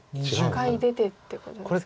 一回出てっていうことですか？